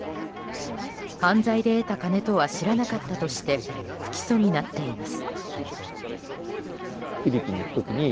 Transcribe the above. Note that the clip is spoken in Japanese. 犯罪で得た金とは知らなかったとして不起訴になっています。